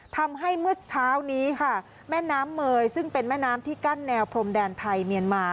ทำให้เมื่อเช้าแม่น้ำเมย์ซึ่งเป็นแม่น้ำที่กั้นแนวโพรมแดนไทยเมียนมา